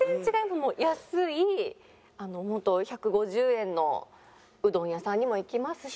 もう安い１５０円のうどん屋さんにも行きますし。